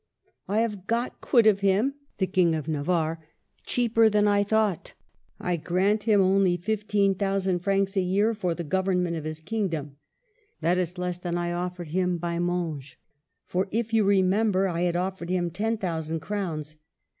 I have got quit of him [the King of Navarre] cheaper than I thought. I grant him only 15,000 francs a year for the government of his kingdom. That is less than I offered him by Monge ; for, if you remember, I had offered him ten thousand crowns.